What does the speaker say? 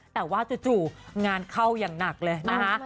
แต่ว่าจู่งานเข้าอย่างหนักเลยนะคะ